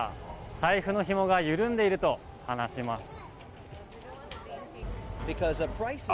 財布のひもが緩んでいると話します。